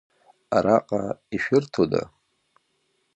Араҟа ишәыртәода?